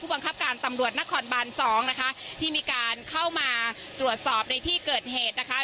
บังคับการตำรวจนครบานสองนะคะที่มีการเข้ามาตรวจสอบในที่เกิดเหตุนะคะ